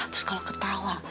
terus kalau ketawa